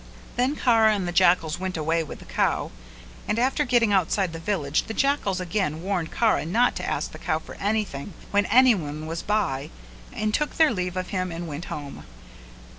Then Kara and the jackals went away with the cow, and after getting outside the village the jackals again warned Kara not to ask the cow for anything when anyone was by and took their leave of him and went home.